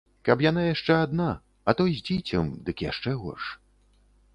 Каб яна яшчэ адна, а то з дзіцем, дык яшчэ горш.